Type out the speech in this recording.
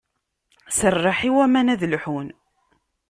Serreḥ i waman ad lḥun.